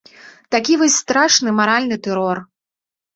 Такі вось страшны маральны тэрор.